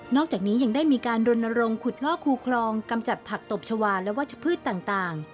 อกจากนี้ยังได้มีการรณรงค์ขุดลอกคูคลองกำจัดผักตบชาวาและวัชพืชต่าง